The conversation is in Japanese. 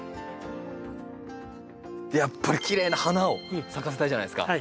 やっぱりきれいな花を咲かせたいじゃないですか。